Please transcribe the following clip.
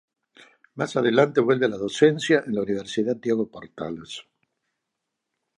Más adelante vuelve a la docencia en la Universidad Diego Portales.